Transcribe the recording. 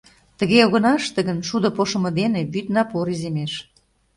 Тыге огына ыште гын, шудо пошымо дене вӱд напор иземеш.